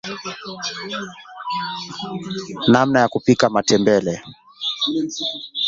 namna ya kupika matembele